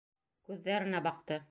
Күҙҙәренә баҡты.